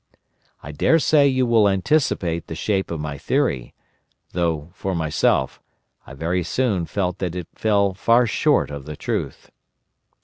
I dare say you will anticipate the shape of my theory; though, for myself, I very soon felt that it fell far short of the truth.